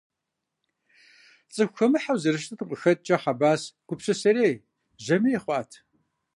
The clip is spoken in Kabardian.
ЦӀыхухэмыхьэу зэрыщытым къыхэкӀкӀэ, Хьэбас гупсысэрей, жьэмей хъуат.